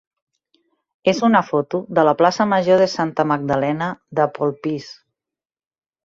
és una foto de la plaça major de Santa Magdalena de Polpís.